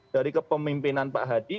dari kepemimpinan pak hadi